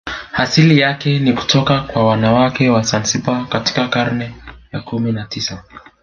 Asili yake ni kutoka kwa wanawake wa Zanzibar katika karne ya kumi na tisa